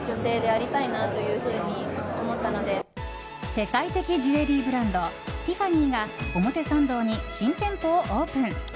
世界的ジュエリーブランドティファニーが表参道に新店舗をオープン。